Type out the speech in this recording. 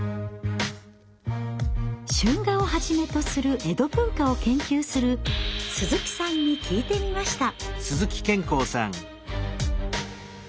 春画をはじめとする江戸文化を研究する鈴木さんに聞いてみました。